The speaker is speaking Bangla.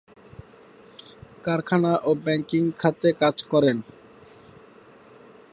কারখানা ও ব্যাংকিং খাতে কাজ করেন।